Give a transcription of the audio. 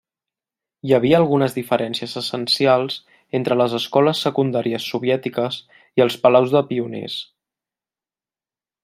Hi havia algunes diferències essencials entre les escoles secundàries soviètiques i els palaus de pioners.